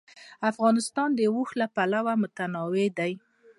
افغانستان د اوښ له پلوه متنوع دی.